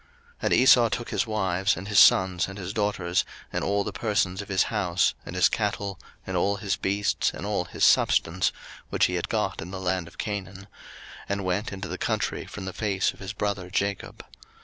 01:036:006 And Esau took his wives, and his sons, and his daughters, and all the persons of his house, and his cattle, and all his beasts, and all his substance, which he had got in the land of Canaan; and went into the country from the face of his brother Jacob.